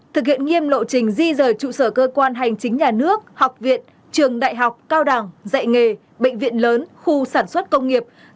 thực hiện nghiêm lộ trình di rời trụ sở cơ quan hành chính nhà nước học viện trường đại học cao đẳng dạy nghề bệnh viện lớn